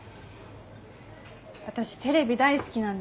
私テレビ大好きなんですよ